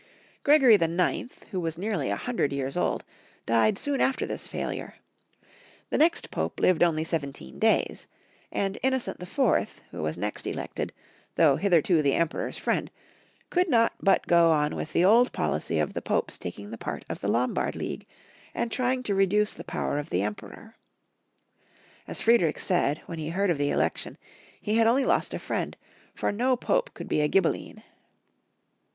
Gregory IX., who was nearly a hundred years old, died soon after this failure ; the next Pope lived only seventeen days, and Innocent IV., who was next elected, though hitherto the Emperor's friend, could not but go on with the old policy of the Popes taking the part of the Lombard league, and trying to reduce the power of the Emperor. As Friedrich said, when he heard of the election, he had only lost a friend, for no Pope could be a Ghi belline.